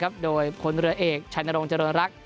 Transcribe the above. ครับโดยคนเรือเอกชัยนรงค์จริงรัฐ